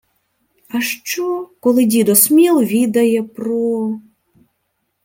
— А що, коли дідо Сміл відає про...